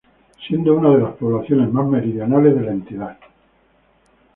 Siendo una de las poblaciones más meridionales de la entidad.